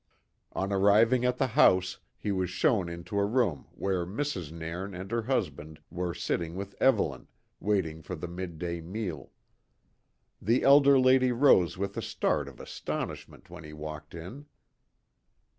On arriving at the house, he was shown into a room where Mrs. Nairn and her husband were sitting with Evelyn, waiting for the midday meal. The elder lady rose with a start of astonishment when he walked in.